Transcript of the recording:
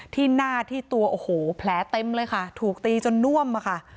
ที่หน้าที่ตัวแผลเต็มเลยค่ะถูกตีจนน่วม